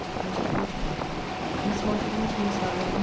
LETTER XIV MISS MONTAGUE, TO MISS HOWE M.